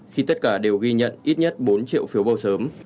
khi tất cả đều ghi nhận ít nhất bốn triệu phiếu bầu sớm